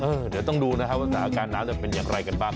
เออเดี๋ยวต้องดูนะครับว่าอาการน้ำจะเป็นอย่างไรหรือไม่